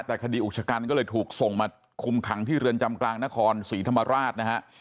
แต่คดีอุกชกันก็เลยถูกส่งมาคุมขังที่เรือนจำกลางนครศรีธรรมราชนะฮะ